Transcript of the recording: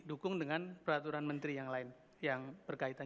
dukung dengan peraturan menteri yang lain yang berkaitan